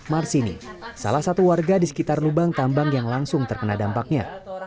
marsini salah satu warga di sekitar lubang tambang yang langsung terkena dampaknya